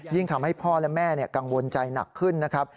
ทำให้พ่อและแม่กังวลใจหนักขึ้นนะครับ